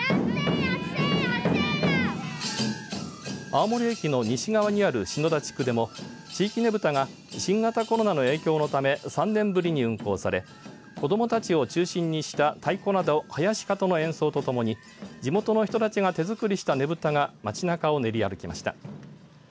青森駅の西側にある篠田地区でも地域ねぶたが新型コロナの影響のため３年ぶりに運行され子どもたちを中心にした太鼓など囃子方の演奏とともに地元の人たちが手作りしたねぶたが街なかを練り歩きました。